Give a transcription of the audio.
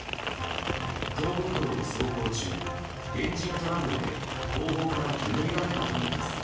東北道を走行中エンジントラブルで後方から煙が出たといいます。